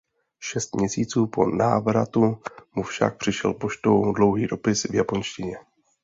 Šest měsíců po návratu mu však přišel poštou dlouhý dopis v japonštině.